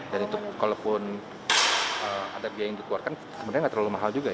dan itu kalau ada biaya yang dikeluarkan sebenarnya enggak terlalu mahal juga ya